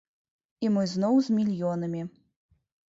І мы зноў з мільёнамі.